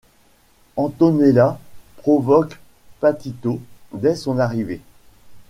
Antonella provoque Patito dès son arrivée.